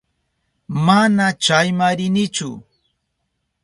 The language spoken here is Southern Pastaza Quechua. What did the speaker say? Mana chayma rinichu.